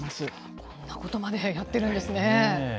そんなことまでやってるんですね。